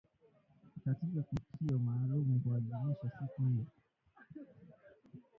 Katika tukio maalum kuadhimisha siku hiyo